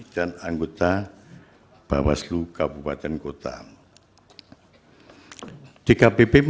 dan anggota bawaslu kabupaten kota